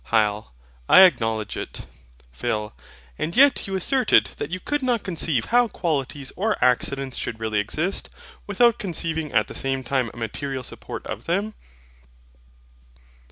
HYL. I acknowledge it. PHIL. And yet you asserted that you could not conceive how qualities or accidents should really exist, without conceiving at the same time a material support of them?